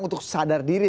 untuk sadar diri